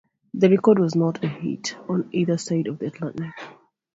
The record was not a hit on either side of the Atlantic.